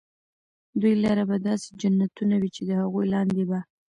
دوى لره به داسي جنتونه وي چي د هغو لاندي به